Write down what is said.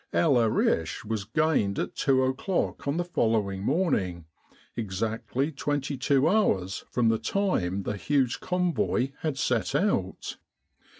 El Arish was gained at two o'clock on the following morning, exactly 22 hours from the time the huge Convoy had set out.